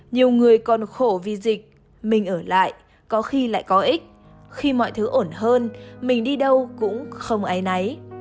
nhiều người còn khổ vì dịch mình ở lại có khi lại có ích khi mọi thứ ổn hơn mình đi đâu cũng không ai nấy